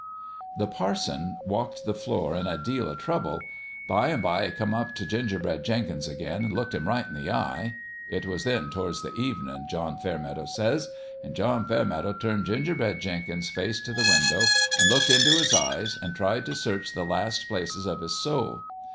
" The parson walked the floor in a deal o' trouble. By an' by he come up t' Gingerbread Jenkins again an' looked him right in the eye. It was then towards the evenin', John Fairmeadow says. An' John Fairmeadow turned Gingerbread Jenkins' face t' the window, an' looked into his eyes, an' tried t' search the last places of his soul.